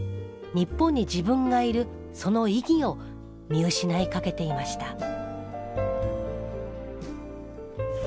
日本に自分がいるその意義を見失いかけていました。